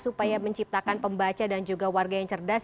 supaya menciptakan pembaca dan juga warga yang cerdas